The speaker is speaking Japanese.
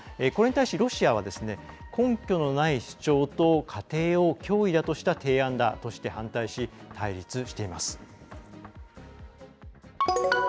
これに対して、ロシアは根拠のない主張と仮定を脅威だとした提案だとして反対し対立しています。